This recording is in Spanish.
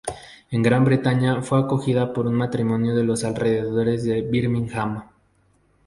En Gran Bretaña fue acogida por un matrimonio de los alrededores de Birmingham.